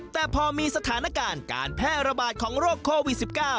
แต่พอมีสถานการณ์การแพร่ระบาดของโรคโควิด๑๙